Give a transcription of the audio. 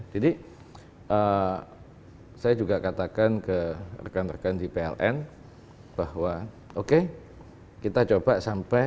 jadi saya juga katakan ke rekan rekan di pln bahwa oke kita coba sampai